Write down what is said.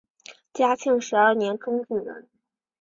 嘉庆十二年中举人。